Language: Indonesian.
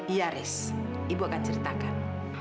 iya riz ibu akan ceritakan